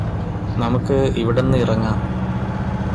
നമുക്ക് ഇവിടന്നു ഇറങ്ങാം